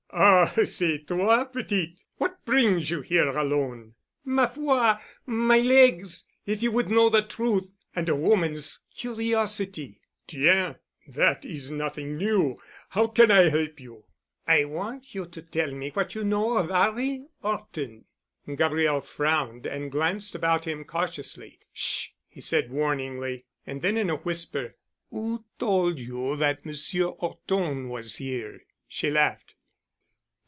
"Ah, c'est toi, petite! What brings you here alone?" "Ma foi, my legs, if you would know the truth—and a woman's curiosity." "Tiens! That is nothing new. How can I help you?" "I want you tell me what you know of 'Arry 'Orton." Gabriel frowned and glanced about him cautiously. "Sh——," he said warningly. And then, in a whisper, "Who told you that Monsieur 'Orton was here?" She laughed.